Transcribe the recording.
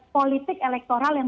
politik elektoral yang